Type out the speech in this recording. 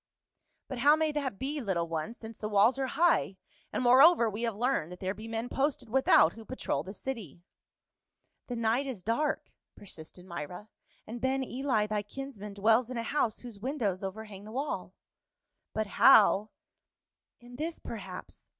" But how may that be, little one, since the walls are high, and moreover, we have learned that there be men posted without who patrol the city ?" "The night is dark," persisted Myra, "and Ben Eli, thy kinsman, d A ells in a house whose windows overhang the wall." 128 PAUL. " But how —"" In this perhaps."